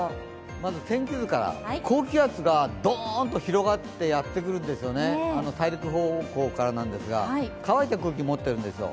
まず天気図から、高気圧がドーンと広がってやってくるんです、大陸方向からなんですが、乾いた空気持ってるんですよ。